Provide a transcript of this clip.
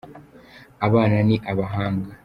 Abana ni abahanga